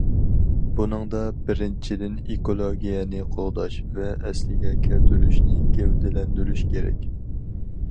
بۇنىڭدا، بىرىنچىدىن، ئېكولوگىيەنى قوغداش ۋە ئەسلىگە كەلتۈرۈشنى گەۋدىلەندۈرۈش كېرەك.